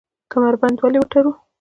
کمربند ولې وتړو؟